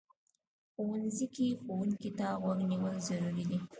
ښوونځی کې ښوونکي ته غوږ نیول ضروري دي